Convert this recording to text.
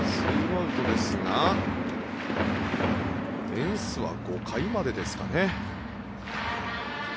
２アウトですがエンスは５回までですかね。